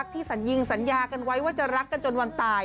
สัญญิงสัญญากันไว้ว่าจะรักกันจนวันตาย